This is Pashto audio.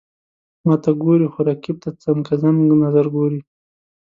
ماته ګوري، خو رقیب ته څنګزن نظر کوي.